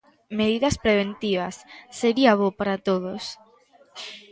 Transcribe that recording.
Medidas preventivas, sería bo para todos.